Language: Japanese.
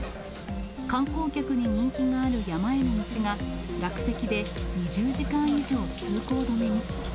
観光客に人気がある山への道が、落石で２０時間以上、通行止めに。